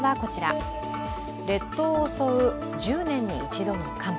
列島を襲う１０年に一度の寒波。